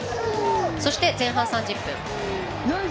そして、前半３０分。